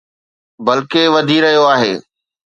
بلڪه، وڌي رهيو آهي